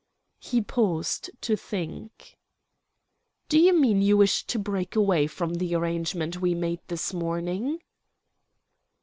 He paused to think. "Do you mean you wish to break away from the arrangement we made this morning?"